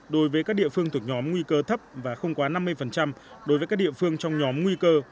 đối với các địa phương thuộc nhóm nguy cơ thấp và không quá năm mươi đối với các địa phương trong nhóm nguy cơ